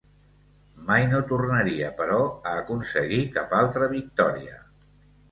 Mai no tornaria, però, a aconseguir cap altra victòria.